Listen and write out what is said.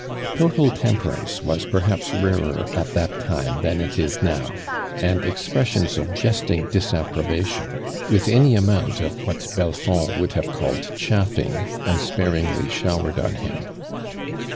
Total temperance was perhaps mrer at that time than it is now, and expressions of jesting disappro bation, with any amount of what Belfond would have called chaffing, unsparingly showered on him.